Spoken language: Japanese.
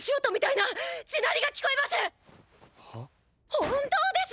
本当です！